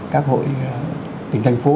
các hội tỉnh thành phố